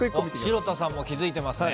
城田さんも気付いてますね。